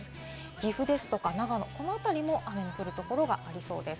岐阜ですとか長野、この辺りも雨の降るところがありそうです。